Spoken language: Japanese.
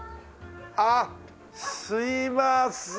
あっすいません。